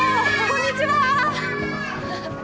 こんにちは